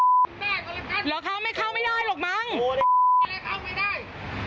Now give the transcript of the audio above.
เหรอคะไม่เข้าไม่ได้หรอกมั้งก็เลยเข้าไม่ได้